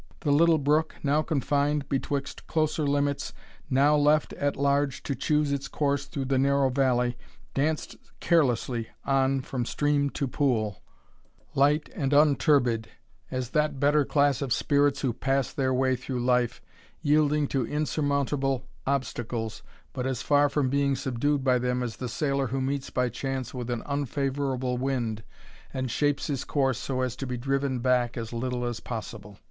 The little brook, now confined betwixt closer limits, now left at large to choose its course through the narrow valley, danced carelessly on from stream to pool, light and unturbid, as that better class of spirits who pass their way through life, yielding to insurmountable obstacles, but as far from being subdued by them as the sailor who meets by chance with an unfavourable wind, and shapes his course so as to be driven back as little as possible.